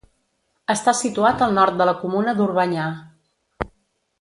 Està situat al nord de la comuna d'Orbanyà.